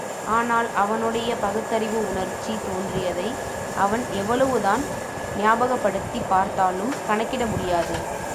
ஆனால், அவனுடைய பகுத்தறிவு உணர்ச்சி தோன்றியதை, அவன் எவ்வளவு தான் ஞாபகப்படுத்திப் பார்த்தாலும் கணக்கிட முடியாது.